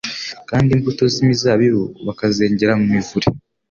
kandi imbuto z'imizabibu bakazengera mu mivure.